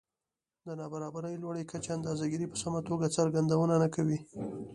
د نابرابرۍ لوړې کچې اندازه ګيرۍ په سمه توګه څرګندونه نه کوي